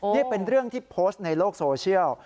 นี่เป็นเรื่องที่โพสต์ในโลกโซเชียล